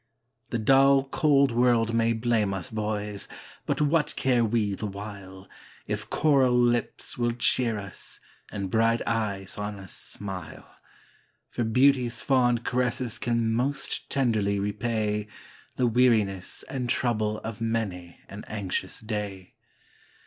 The dull, cold world may blame us, boys! but what care we the while, If coral lips will cheer us, and bright eyes on us smile? For beauty's fond caresses can most tenderly repay The weariness and trouble of many an anxious day.